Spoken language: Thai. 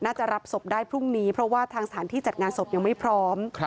จะรับศพได้พรุ่งนี้เพราะว่าทางสถานที่จัดงานศพยังไม่พร้อม